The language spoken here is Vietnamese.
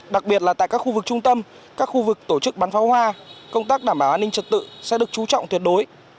đặc biệt là tại các khu vực trung tâm các khu vực tổ chức bắn pháo hoa công tác đảm bảo an ninh trật tự sẽ được chú trọng tuyệt đối